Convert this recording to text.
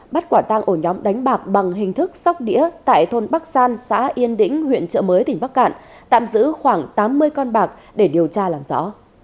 bắt quả tăng ổ nhóm đánh bạc bằng hình thức sóc đĩa tại thôn bắc san xã yên đĩnh huyện trợ mới tỉnh bắc cạn tạm giữ khoảng tám mươi con bạc để điều tra làm rõ